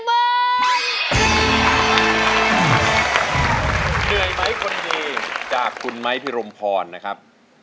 เหนื่อยไหมคนนี้จากคุณไม้พิรมพรนะครับ